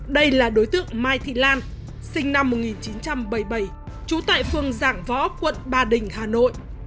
đây là đối tượng mai thị lan sinh năm một nghìn chín trăm bảy mươi bảy trú tại phường dạng võ quận ba đình hà nội